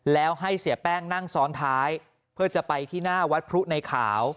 แล้วให้เสียแป้งนั่งซ้อนท้ายเพื่อจะไปที่หน้าวัดพรุในขาว